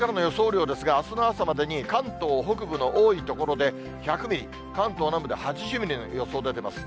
雨量ですが、あすの朝までに関東北部の多い所で１００ミリ、関東南部で８０ミリの予想出てます。